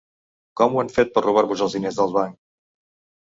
Com ho han fet per robar-vos els diners del banc?